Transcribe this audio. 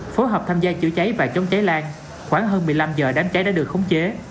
phối hợp tham gia chữa cháy và chống cháy lan khoảng hơn một mươi năm giờ đám cháy đã được khống chế